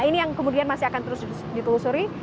ini yang kemudian masih akan terus ditelusuri